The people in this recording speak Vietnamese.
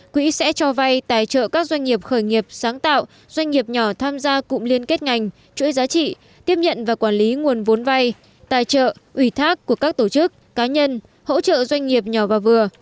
quỹ sẽ cho vay tài trợ các doanh nghiệp khởi nghiệp sáng tạo doanh nghiệp nhỏ tham gia cụm liên kết ngành chuỗi giá trị tiếp nhận và quản lý nguồn vốn vay tài trợ ủy thác của các tổ chức cá nhân hỗ trợ doanh nghiệp nhỏ và vừa